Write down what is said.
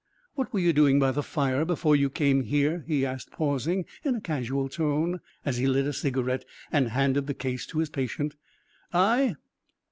"What were you doing by the fire before you came here?" he asked, pausing, in a casual tone, as he lit a cigarette and handed the case to his patient. "I?